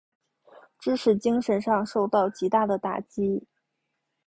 致使精神上受到极大的打击。